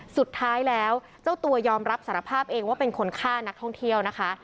สุดท้ายแล้วเจ้าตัวยอมรับสารภาพเองว่าเป็นคนฆ่านักท่องเที่ยวนะคะ